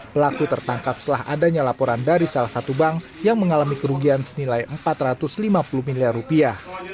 pelaku tertangkap setelah adanya laporan dari salah satu bank yang mengalami kerugian senilai empat ratus lima puluh miliar rupiah